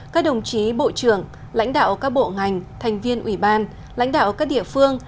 các đồng chí bộ trưởng lãnh đạo các bộ ngành thành viên ủy ban lãnh đạo các địa phương